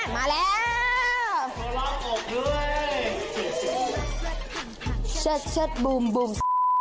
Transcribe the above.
มาแล้วตัวล้อมอบด้วย